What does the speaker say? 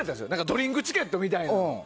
ドリンクチケットみたいな。